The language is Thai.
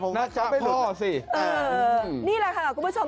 ผมว่าเขาไม่หลุดน่าจะพ่อสิเออนี่แหละค่ะคุณผู้ชม